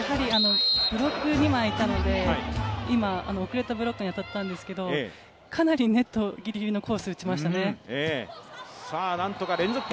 ブロックが二枚いたので今、遅れたブロッカーに当たったんですけどかなりネットギリギリのコースに打ちましたね。